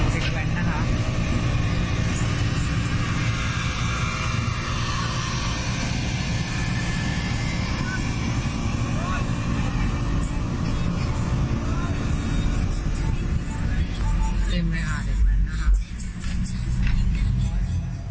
เล่มไหมค่ะฟังเลยเด็กนั้นค่ะ